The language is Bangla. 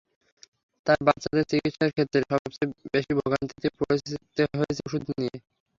তাঁর বাচ্চাদের চিকিৎসার ক্ষেত্রে সবচেয়ে বেশি ভোগান্তিতে পড়তে হয়েছে ওষুধ নিয়ে।